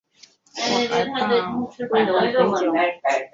我还怕会等很久